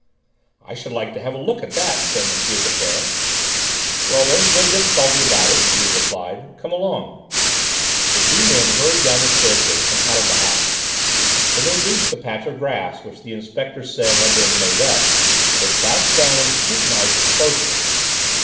"I should like to have a look at that," said M. de Presles. "Well, there's no difficulty about it," Juve replied. "Come along." The two men hurried down the staircase and out of the house. When they reached the patch of grass which the inspector said had been "made up," they crouched down and scrutinised it closely.